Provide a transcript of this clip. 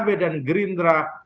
maka pkb dan gerindra